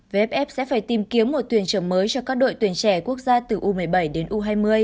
vff sẽ phải tìm kiếm một tuyển trưởng mới cho các đội tuyển trẻ quốc gia từ u một mươi bảy đến u hai mươi